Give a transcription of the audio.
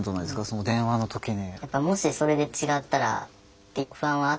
その電話の時に。